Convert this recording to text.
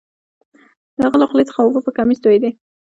د هغه له خولې څخه اوبه په کمیس تویدې